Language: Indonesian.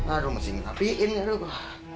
aduh mesti ngapiin ya